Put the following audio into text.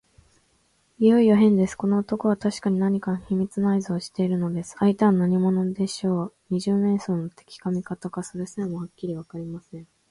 いよいよへんです。この男はたしかに何か秘密のあいずをしているのです。相手は何者でしょう。二十面相の敵か味方か、それさえもはっきりわかりません。